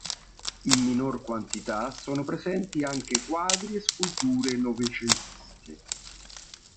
In minor quantità sono presenti anche quadri e sculture novecentesche.